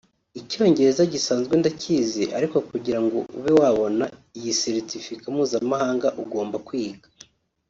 Icyongereza gisanzwe ndakizi ariko kugira ngo ube wabona iyi certificat mpuzamahanga ugomba kwiga